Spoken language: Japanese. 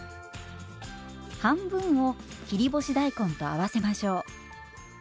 半分を切り干し大根と合わせましょう。